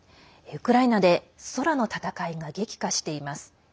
ウクライナで空の戦いが激化しています。